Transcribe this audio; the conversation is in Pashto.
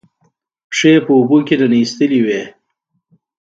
پښې یې په اوبو کې ننباسلې وې